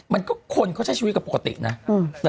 มันก็คนเขาใช้ชีวิตกับปกตินะ